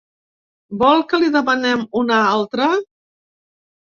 Vol que li demanem una altra?